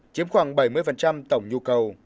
chiếm khoảng bảy mươi tổng nhu cầu